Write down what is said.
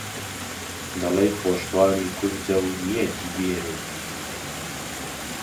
دەڵێی خۆشخوانی کوردە و نیەتی ئێروو